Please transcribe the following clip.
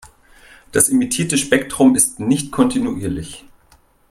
Das emittierte Spektrum ist nicht kontinuierlich.